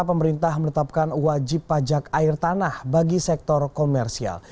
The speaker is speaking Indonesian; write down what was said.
pemerintah menetapkan wajib pajak air tanah bagi sektor komersial